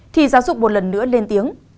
thì giáo dục một lần nữa lên tiếng